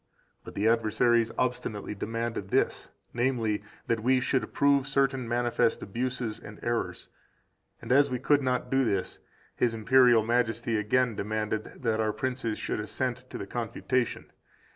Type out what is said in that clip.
4 But the adversaries obstinately demanded this, namely, that we should approve certain manifest abuses and errors; and as we could not do this, His Imperial Majesty again demanded that our princes should assent to the Confutation.